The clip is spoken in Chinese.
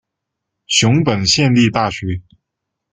熊本县立大学